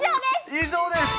以上です。